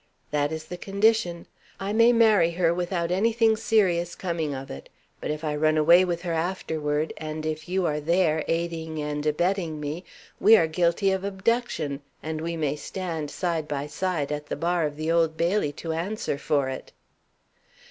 "That is the condition. I may marry her without anything serious coming of it. But, if I run away with her afterward, and if you are there, aiding and abetting me, we are guilty of Abduction, and we may stand, side by side, at the bar of the Old Bailey to answer for it!"